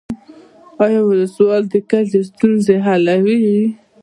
آیا ولسوال د کلیو ستونزې حلوي؟